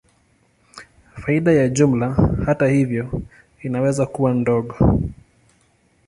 Faida ya jumla, hata hivyo, inaweza kuwa ndogo.